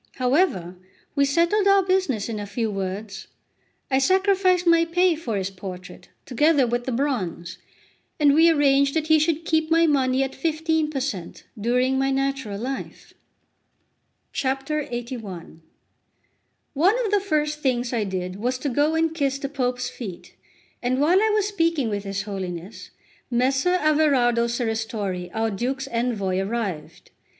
However, we settled our business in a few words. I sacrificed my pay for his portrait, together with the bronze, and we arranged that he should keep my money at 15 per cent. during my natural life. Note 1. To make the sum correct, 5200 ought to have been lent the Duke. LXXXI ONE of the first things I did was to go and kiss the Pope's feet; and while I was speaking with his Holiness, Messer Averardo Serristori, our Duke's Envoy, arrived.